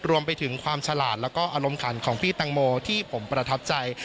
รวมไปถึงความฉลาดแล้วก็อารมณ์ขันของพี่ตังโมที่ผมประทับใจ